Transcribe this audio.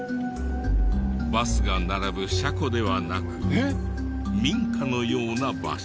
バスが並ぶ車庫ではなく民家のような場所。